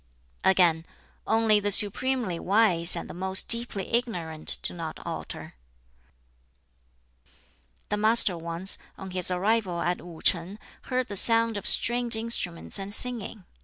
Again, "Only the supremely wise and the most deeply ignorant do not alter." The Master once, on his arrival at Wu shing, heard the sound of stringed instruments and singing.